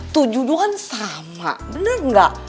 tujuan sama bener gak